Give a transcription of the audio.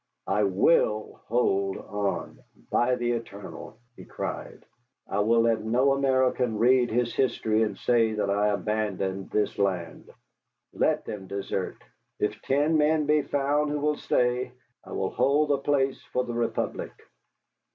"I will hold on, by the eternal!" he cried. "I will let no American read his history and say that I abandoned this land. Let them desert! If ten men be found who will stay, I will hold the place for the Republic."